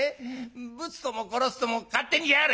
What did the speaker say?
ぶつとも殺すとも勝手にやれ！」。